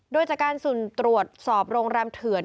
โดยจากการสุ่มตรวจสอบโรงแรมเถื่อน